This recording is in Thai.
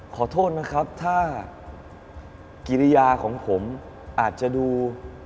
ขอโทษนะครับถ้ากิริยาของผมอาจจะดู